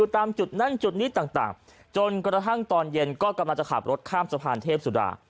ตามจุดนั้นจุดนี้ต่างจนกระทั่งตอนเย็นก็กำลังจะขับรถข้ามสะพานเทพสุดา